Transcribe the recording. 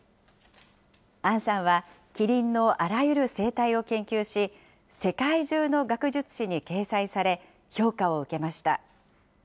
アンさんは、キリンのあらゆる生態を研究し、世界中の学術誌に掲載され、評価を受けました。